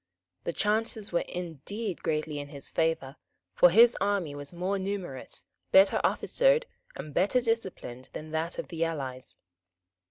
The chances were indeed greatly in his favour; for his army was more numerous, better officered and better disciplined than that of the allies.